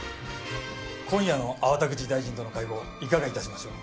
今夜の粟田口大臣との会合いかが致しましょう？